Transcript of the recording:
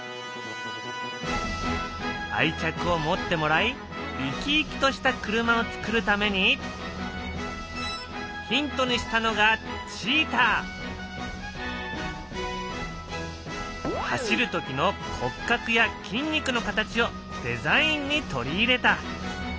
愛着を持ってもらい生き生きとした車をつくるためにヒントにしたのが走る時の骨格や筋肉の形をデザインに取り入れた。